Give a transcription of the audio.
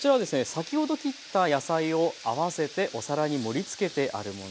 先ほど切った野菜を合わせてお皿に盛りつけてあるものです。